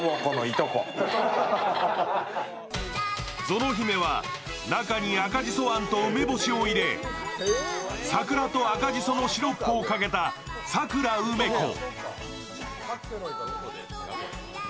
ぞの姫は中に赤じそと梅干しを入れ、桜と赤じそのシロップをかけた桜うめ子。